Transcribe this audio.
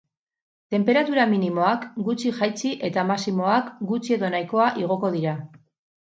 Tenperatura minimoak gutxi jaitsi eta maximoak gutxi edo nahikoa igoko dira.